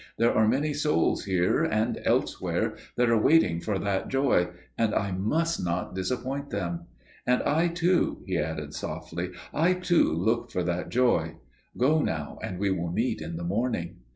There are many souls here and elsewhere that are waiting for that joy, and I must not disappoint them. And I too," he added softly, "I too look for that joy. Go now, and we will meet in the morning."